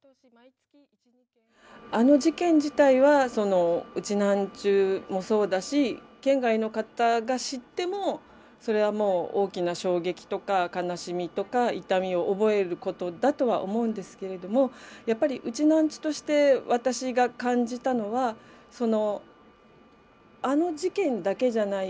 あの事件自体はウチナーンチュもそうだし県外の方が知ってもそれはもう大きな衝撃とか悲しみとか痛みを覚えることだとは思うんですけれどもやっぱりウチナーンチュとして私が感じたのはそのあの事件だけじゃない。